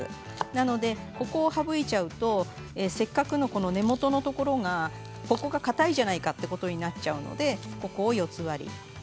なので、ここを省いちゃうとせっかくの、この根元のところがかたいじゃないかということになっちゃうので、ここを４つ割り。